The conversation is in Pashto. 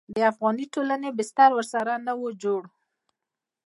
د افغاني ټولنې بستر ورسره نه و جوړ.